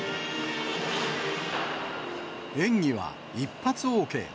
演技は一発ＯＫ。